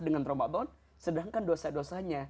dengan ramadan sedangkan dosa dosanya